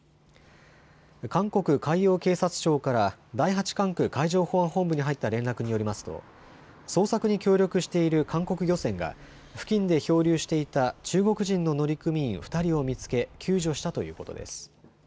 韓国海洋警察庁から第８管区海上保安本部に入った連絡によりますと捜索に協力している韓国漁船が付近で漂流していた中国人の乗組員２人を見つけ救助したということです。